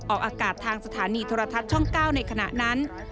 ออกอากาศทางสถานีโทรทัศน์ช่อง๙ในขณะนั้น